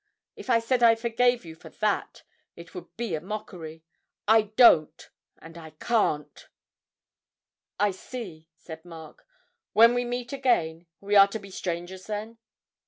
If I said I forgave you for that, it would be a mockery. I don't, and I can't!' 'I see,' said Mark. 'When we meet again we are to be strangers, then?'